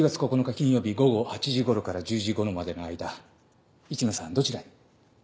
金曜日午後８時頃から１０時頃までの間市野さんどちらに？